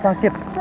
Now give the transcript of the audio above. ya ini dia